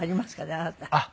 あなた。